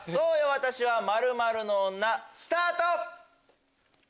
私は○○の女スタート！